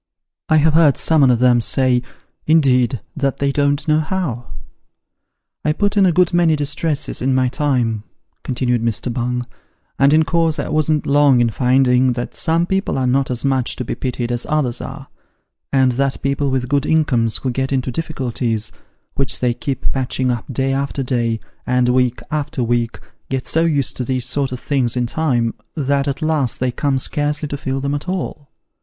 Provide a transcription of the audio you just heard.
I have heard some on 'em say, indeed, that they don't know how !" I put in a good many distresses in my time (continued Mr. Bung), and in course I wasn't long in finding, that some people are not as much to be pitied as others are, and that people with good incomes who get into difficulties, which they keep patching up day after day, and week after week, get so used to these sort of things in time, that at last they come scarcely to feel them at all.